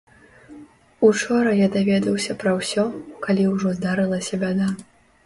Учора я даведаўся пра ўсё, калі ўжо здарылася бяда.